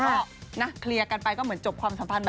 แต่ก็คลียากันไปก็เหมือนจบความสัมพันธ์